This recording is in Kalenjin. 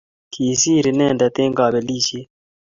Kiisir inendet eng' Kabelishet